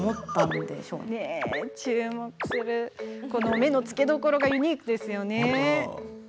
目の付けどころがユニークですね。